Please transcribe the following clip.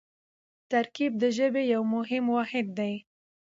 ترکیب د ژبې یو مهم واحد دئ.